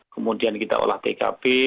kemudian kita olah tkp